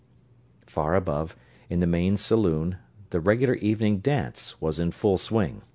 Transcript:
Far above, in the main saloon, the regular evening dance was in full swing.